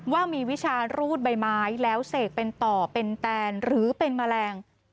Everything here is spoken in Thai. ว่ามีวิชารูดใบไม้แล้วเสกเป็นต่อเป็นแตนหรือเป็นแมลง